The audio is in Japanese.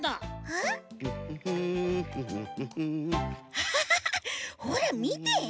ハハハハほらみて！